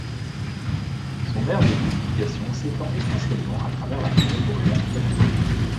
Son aire de nidification s'étend essentiellement à travers la forêt boréale canadienne.